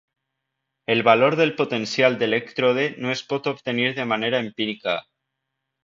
El valor del potencial d'elèctrode no es pot obtenir de manera empírica.